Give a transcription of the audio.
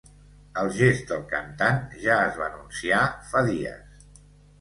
El gest del cantant ja es va anunciar fa dies.